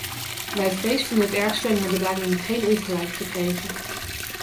Wij vreesden het ergste en hebben daarin geen ongelijk gekregen.